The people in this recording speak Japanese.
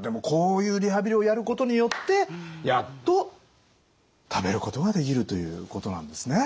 でもこういうリハビリをやることによってやっと食べることができるということなんですね。